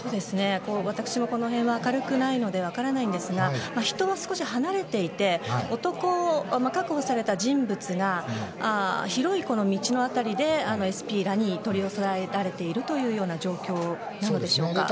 私もこの辺は明るくないので分からないんですが人は少し離れていて確保された人物が広い道の辺りでＳＰらに取り押さえられているという状況なんでしょうか。